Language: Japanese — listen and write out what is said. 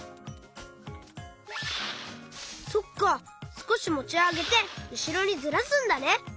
すこしもちあげてうしろにずらすんだね。